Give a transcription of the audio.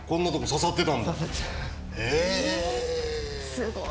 すごい。